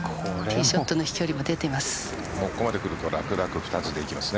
ティーショットの飛距離も出ています。